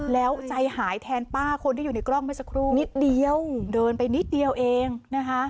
แล้วใจหายแทนป้าคนที่อยู่ในกล้องเมื่อสักครู่นิดเดียวเดินไปนิดเดียวเองนะคะ